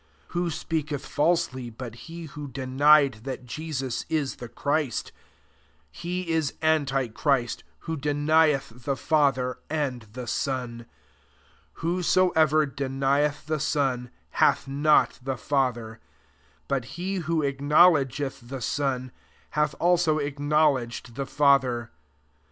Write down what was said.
22 Who speaketh falsely, but he who denied that Jesus is the Christ ? He is antichrist, who denieth the Father and the Son. 23 Whosoever denieth the Son, hath not the Father: but he who acknowledgeth the Son, hath also acknowledged the Fa ther.